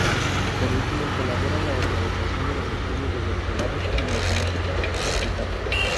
Por último, colabora en la organización de los estudios de doctorado en matemática aplicada.